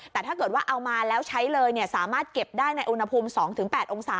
แต่ถ้าเกิดว่าเอามาแล้วใช้เลยสามารถเก็บได้ในอุณหภูมิ๒๘องศา